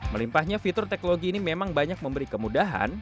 melimpahnya fitur teknologi ini memang banyak memberi kemudahan